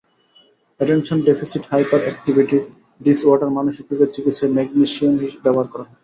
Attention deficit hyperactivity disorder মানসিক রোগের চিকিত্সায় ম্যাগনেশিয়াম ব্যবহার করা হয়।